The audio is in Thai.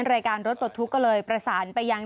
รายการรถปลดทุกข์ก็เลยประสานไปยัง